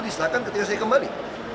misalkan ketika saya kembali